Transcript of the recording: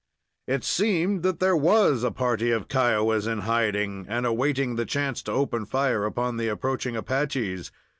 It seemed that there was a party of Kiowas in hiding, and awaiting the chance to open fire upon the approaching Apaches.